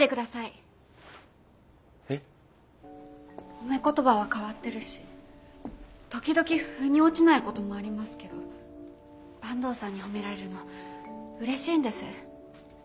褒め言葉は変わってるし時々腑に落ちないこともありますけど坂東さんに褒められるのうれしいんです。